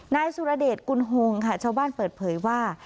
นายสุรเดชกุณฮงค่ะชาวบ้านเปิดเผยว่า